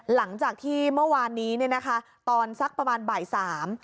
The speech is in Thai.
หลังจากที่เมื่อวานนี้เนี่ยนะคะตอนสักประมาณบ่ายสาม